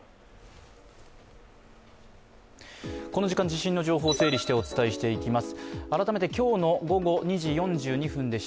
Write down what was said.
この時間、地震の情報を整理してお伝えします。